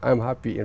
tôi học ở hnu